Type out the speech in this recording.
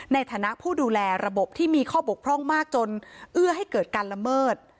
ในฐานะผู้ดูแลระบบที่มีข้อบกพร่องมากจนเอื้อให้เกิดการละเมิด